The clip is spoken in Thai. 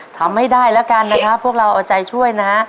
ทำให้ได้แล้วกันนะครับพวกเราเอาใจช่วยนะ